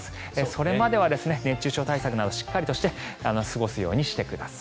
それまでは熱中症対策などしっかりとして過ごすようにしてください。